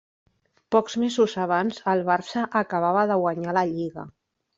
Pocs mesos abans, el Barça acabava de guanyar la Lliga.